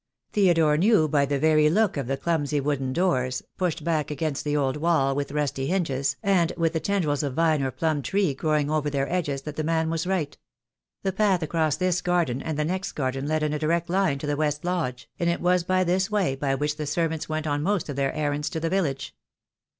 Theodore knew by the very look of the clumsy wooden doors, pushed back against the old wall, with rusty hinges, 1 68 THE DAY WILL COME. and with the tendrils of vine or plum tree growing over their edges, that the man was right. The path across this garden and the next garden led in a direct line to the West Lodge, and it was this way by which the servants went on most of their errands to the village.